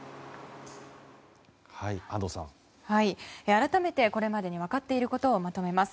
改めて、これまでに分かっていることをまとめます。